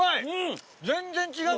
全然違う。